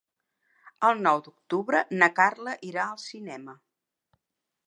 El nou d'octubre na Carla irà al cinema.